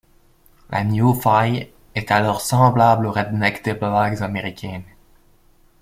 Le Newfie est alors semblable au redneck des blagues américaines.